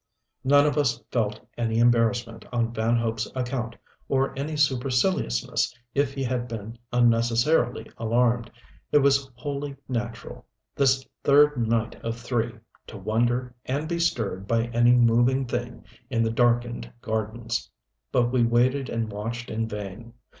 None of us felt any embarrassment on Van Hope's account, or any superciliousness if he had been unnecessarily alarmed. It was wholly natural, this third night of three, to wonder and be stirred by any moving thing in the darkened gardens. But we waited and watched in vain.